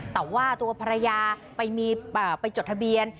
แต่ว่าตัวภรรยาไปจดทะเบียน